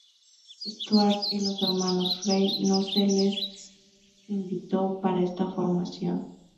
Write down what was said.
Stuart y los hermanos Frey no se los invitó para esta formación.